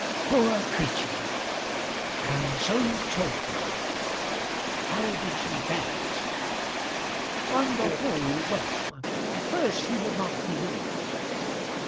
Poor creature! And so you told him. How did he bear it?" "On the whole, well. At first he would not believe me."